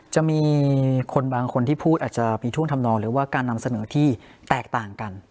จะมีคนบางคนที่พูดอาจจะมีท่วงทำนองหรือว่าการนำเสนอที่แตกต่างกัน